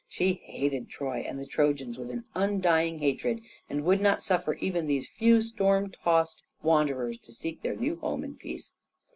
She hated Troy and the Trojans with an undying hatred, and would not suffer even these few storm tossed wanderers to seek their new home in peace.